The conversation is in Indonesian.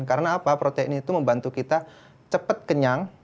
karena apa protein itu membantu kita cepet kenyang